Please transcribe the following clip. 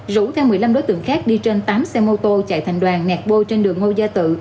rủ theo một mươi năm đối tượng khác đi trên tám xe mô tô chạy thành đoàn ngạt bôi trên đường ngô gia tự